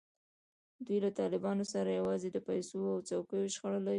دوی له طالبانو سره یوازې د پیسو او څوکیو شخړه لري.